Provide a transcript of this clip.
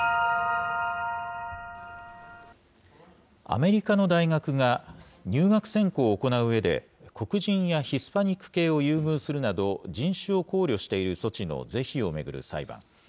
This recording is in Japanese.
アメリカの大学が入学選考を行ううえで黒人やヒスパニック系を優遇するなど、人種を考慮している措置の是非を巡る裁判。